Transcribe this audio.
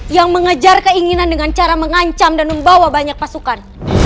yang mengejar keinginan dengan cara mengancam dan membawa banyak pasukan